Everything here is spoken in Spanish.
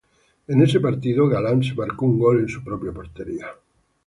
En ese partido, Galán se marcó un gol en su propia portería.